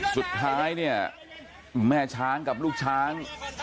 สุดท้ายเนี่ยแม่ช้างกับลูกช้าง